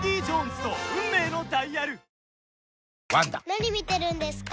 ・何見てるんですか？